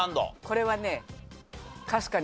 これはね。